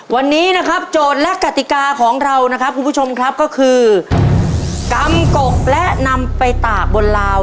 วันนี้นะครับโจทย์และกติกาของเรานะครับคุณผู้ชมครับก็คือกำกกและนำไปตากบนลาว